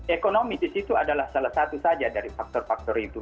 ekonomi di situ adalah salah satu saja dari faktor faktor itu